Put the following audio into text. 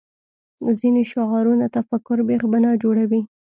ځینې شعارونه تفکر بېخ بنا جوړوي